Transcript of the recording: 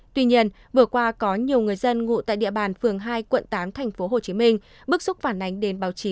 tuy nhiên vừa qua có nhiều người dân ngụ tại địa bàn phường hai quận tám tp hcm bức xúc phản ánh đến báo chí